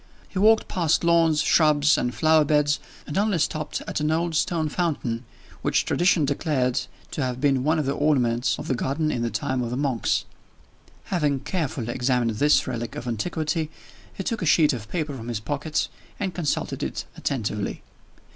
He walked past lawns, shrubs, and flower beds, and only stopped at an old stone fountain, which tradition declared to have been one of the ornaments of the garden in the time of the monks. Having carefully examined this relic of antiquity, he took a sheet of paper from his pocket, and consulted it attentively.